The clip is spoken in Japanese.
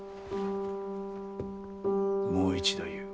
もう一度言う。